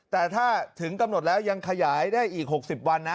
แต่ถ้าถึงกำหนดแล้วยังขยายได้อีก๖๐วันนะ